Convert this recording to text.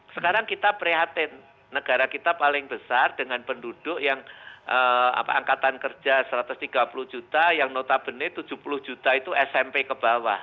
sekarang kita prihatin negara kita paling besar dengan penduduk yang angkatan kerja satu ratus tiga puluh juta yang notabene tujuh puluh juta itu smp ke bawah